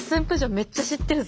めっちゃ知ってるぞ。